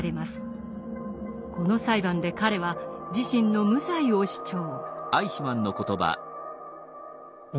この裁判で彼は自身の無罪を主張。